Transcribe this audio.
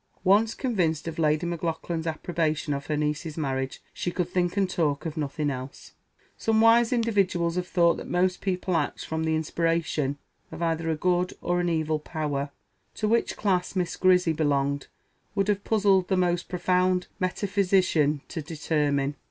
Once convinced of Lady Maclaughlan's approbation of her niece's marriage she could think and talk of nothing else. Some wise individuals have thought that most people act from the inspiration of either a good or an evil power: to which class Miss Grizzy belonged would have puzzled the most profound metaphysician to determine.